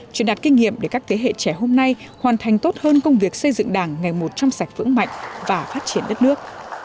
truyền đạt kinh nghiệm để các thế hệ trẻ hôm nay hoàn thành tốt hơn công việc xây dựng đảng ngày một trong sạch vững mạnh và phát triển đất nước